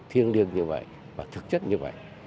thiêng liêng như vậy và thực chất như vậy